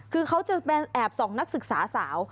คือเขาจะแอบส่องนักศึกษาสาว